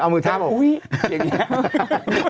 อ๋อมือทราบอก